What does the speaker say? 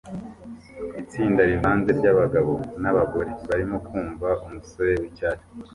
Itsinda rivanze ryabagabo nabagore barimo kumva umusore wicyatsi